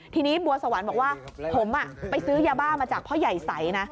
ทีนี้บัวสวรรค์บอกว่าผมไปซื้อยาบ้ามาจากพ่อใหญ่ใสนะ